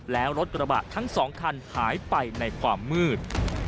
แล้วรถกระบะทั้งสองคันหายไปในความมืด